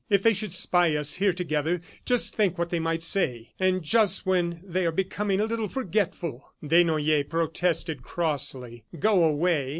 "If they should spy us here together, just think what they might say! ... and just when they are becoming a little forgetful!" Desnoyers protested crossly. Go away?